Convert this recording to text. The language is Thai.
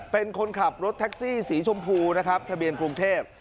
เป็นคนขับรถแท็กซี่สีชมพูนะครับทะเบียนกรุงเทพ